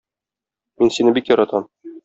Мин сине бик яратам.